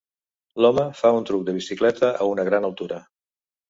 L'home fa un truc de bicicleta a una gran altura.